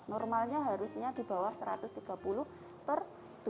normalnya harusnya di bawah satu ratus tiga puluh per dua puluh